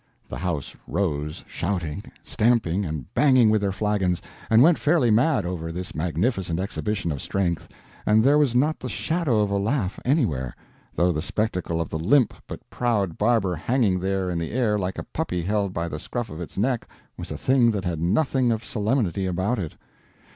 (The house rose, shouting, stamping, and banging with their flagons, and went fairly mad over this magnificent exhibition of strength—and there was not the shadow of a laugh anywhere, though the spectacle of the limp but proud barber hanging there in the air like a puppy held by the scruff of its neck was a thing that had nothing of solemnity about it.)